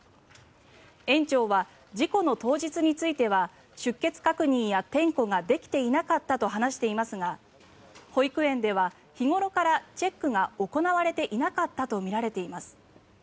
園長は事故の当日については出欠確認や点呼ができていなかったと話していますが保育園では日頃からチェックが行われていなかったとみられています。